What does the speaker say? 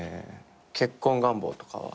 結婚願望とかは？